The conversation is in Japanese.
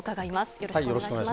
よろしくお願いします。